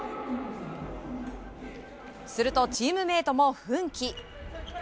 すると、チームメートも奮起。